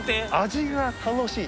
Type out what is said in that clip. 味が楽しい